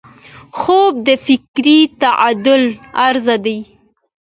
خوب د فکري تعادل راز دی